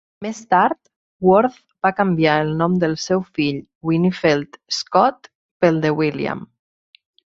Més tard, Worth va canviar el nom del seu fill Winfield Scott pel de William.